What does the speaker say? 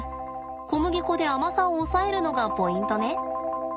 小麦粉で甘さを抑えるのがポイントね。